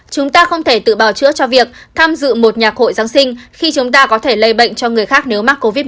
chúng ta không thể tự bào chữa cho việc tham dự một nhạc hội giáng sinh khi chúng ta có thể lây bệnh cho người khác nếu mắc covid một mươi